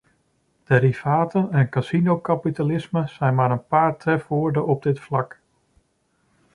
Derivaten en casinokapitalisme zijn maar een paar trefwoorden op dit vlak.